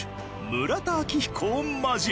村田明彦を交え。